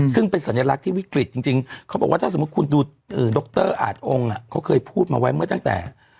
คืออากาศเขาบอกมันจะเย็นถึงหนาวแหละ